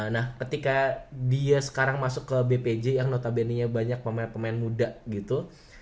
nah ketika dia sekarang masuk ke bpj yang notabene nya banyak pemain pemain muda gitu